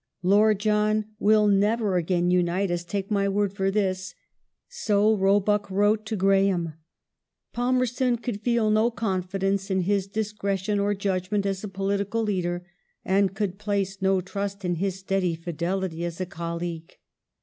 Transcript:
" Lord John will never again unite us, take my word for this." So Roebuck wrote to Graham.^ Palmerston "could feel no confidence in his discretion or judgment as a political leader and could place no trust in his steady fidelity as a colleague".